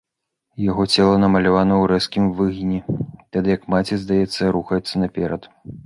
Яго цела намалявана ў рэзкім выгіне, тады як маці, здаецца, рухаецца наперад.